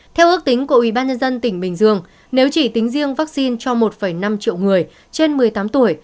theo ước tính của ubnd tỉnh bình dương nếu chỉ tính riêng vaccine cho một năm triệu người trên một mươi tám tuổi